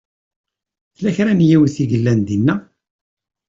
Tella kra n yiwet i yellan dinna?